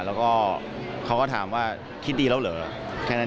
แล้วก็เขาก็ถามว่าคิดดีแล้วเหรอแค่นั้น